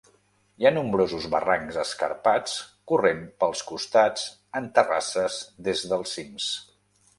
Hi ha nombrosos barrancs escarpats corrent pels costats en terrasses des dels cims.